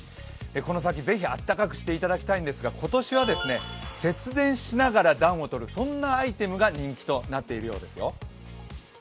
この先、ぜひあったかくしていただきたいんですが、今年は節電しながら暖をとる、そんなアイテムが人気となっているようですよ。